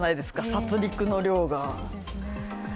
殺りくの量が。